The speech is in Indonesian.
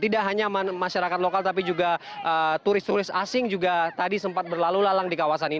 tidak hanya masyarakat lokal tapi juga turis turis asing juga tadi sempat berlalu lalang di kawasan ini